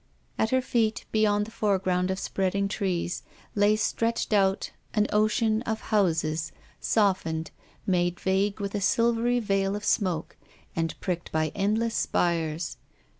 At her feet, beyond the fore ground of spreading trees, lay stretched out a vast ocean of houses, softened, made vague with a silvery veil of smoke, and pricked by endless spires.